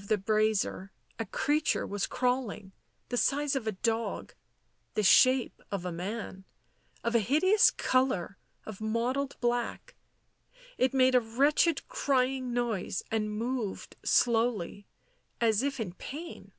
Into the dim glow of the brazier a creature was crawling, the size of a dog, the shape of a man, of a hideous colour of mottled black ; it made a wretched crying noise, and moved slowly, as if in pain.